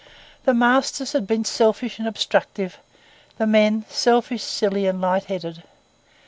The masters had been selfish and obstructive, the men selfish, silly, and light headed.